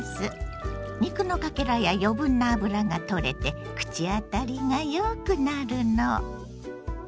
肉のかけらや余分な脂が取れて口当たりがよくなるの。